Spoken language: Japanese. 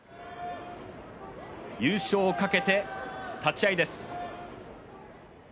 優勝をかけて立ち合いです。